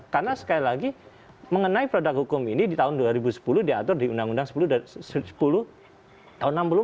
karena sekali lagi mengenai produk hukum ini di tahun dua ribu sepuluh diatur di undang undang sepuluh tahun enam puluh empat